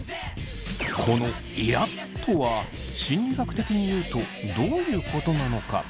この「イラっ」とは心理学的にいうとどういうことなのか？